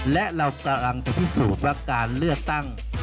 และเรากำลังจะพิสูจน์ว่าการเลือกตั้ง